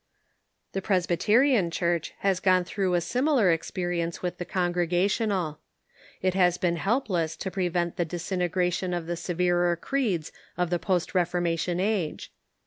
The Presbyterian Church has gone through a similar expe rience with the Congregational. It has been helpless to pre vent the disintegration of the severer creeds of the Presbyterian post Reformation age.